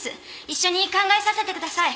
一緒に考えさせてください。